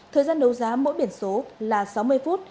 thời gian đấu giá mỗi biển số là sáu mươi phút